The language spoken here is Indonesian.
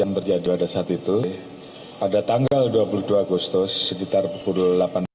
yang terjadi pada saat itu pada tanggal dua puluh dua agustus sekitar pukul delapan belas